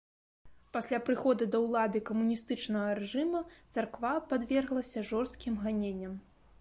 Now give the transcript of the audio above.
Пасля прыхода да ўлады камуністычнага рэжыма царква падверглася жорсткім ганенням.